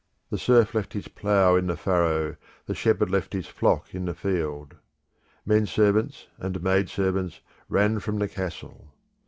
The serf left his plough in the furrow, the shepherd left his flock in the field. Men servants and maid servants ran from the castle.